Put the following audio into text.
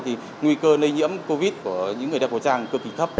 thì nguy cơ lây nhiễm covid của những người đeo khẩu trang cực kỳ thấp